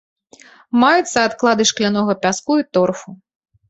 Маюцца адклады шклянога пяску і торфу.